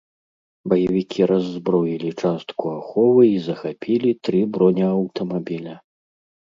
Баевікі раззброілі частку аховы і захапілі тры бронеаўтамабіля.